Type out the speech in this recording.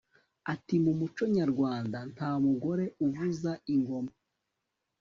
ati mu muco nyarwanda nta mugore uvuza ingoma